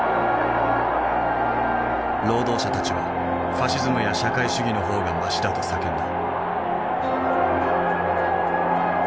労働者たちは「ファシズムや社会主義の方がましだ」と叫んだ。